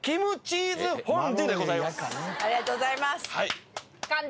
ありがとうございます。